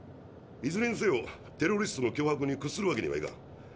いずれにせよテロリストの脅迫にくっするわけにはいかん。